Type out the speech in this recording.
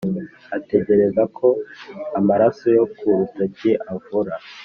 ategereza ko amaraso yo ku rutoki avura,